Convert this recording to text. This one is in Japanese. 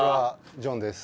ジョンです。